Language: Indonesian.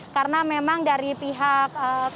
karena memang dari pihak